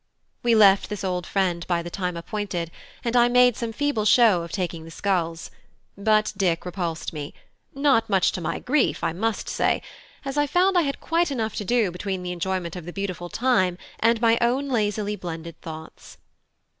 We left this old friend by the time appointed, and I made some feeble show of taking the sculls; but Dick repulsed me, not much to my grief, I must say, as I found I had quite enough to do between the enjoyment of the beautiful time and my own lazily blended thoughts.